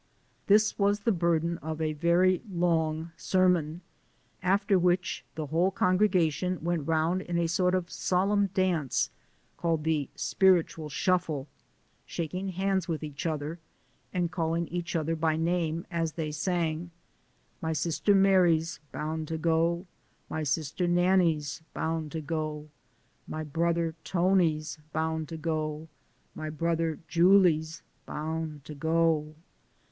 This was the burden of a very long sermon, after which the whole congregation went round in a soil of solemn dance, called the " spiritual shuffle," shaking hands with each other, and calling each other by name as they sang : My sis'r Mary 's bouiv to go ; My sip'r Nanny 's boun' to go ; My brudder Tony 's boun' to go ; My bradder July 's boun' to go.